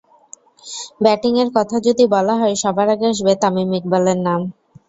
ব্যাটিংয়ের কথা যদি বলা হয়, সবার আগে আসবে তামিম ইকবালের নাম।